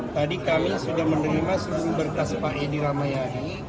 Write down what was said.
tadi kami sudah menerima seluruh berkas pak edi ramayadi